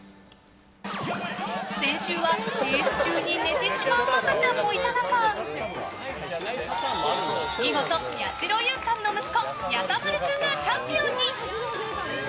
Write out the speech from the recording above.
先週はレース中に寝てしまう赤ちゃんもいた中見事、やしろ優さんの息子やさまる君がチャンピオンに！